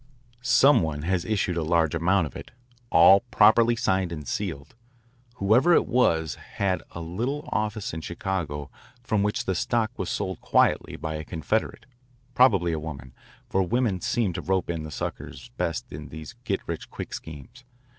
"Some one has issued a large amount of it, all properly signed and sealed. Whoever it was had a little office in Chicago from which the stock was sold quietly by a confederate, probably a woman, for women seem to rope in the suckers best in these get rich quick schemes.